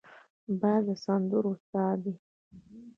باد د سندرو سا دی